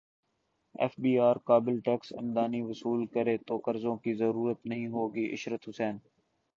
F B R قابل tax امدنی وصول کرے تو قرضوں کی ضرورت نہیں ہوگی عشرت حسین